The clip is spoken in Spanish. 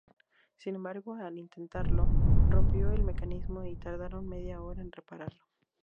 Sin embargo, al intentarlo, rompió el mecanismo, y tardaron media hora en repararlo.